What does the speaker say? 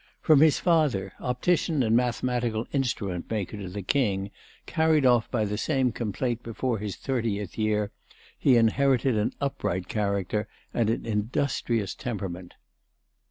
From his father, optician and mathematical instrument maker to the King, carried off by the same complaint before his thirtieth year, he inherited an upright character and an industrious temperament.